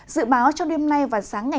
dự báo trong đêm nay và sáng ngày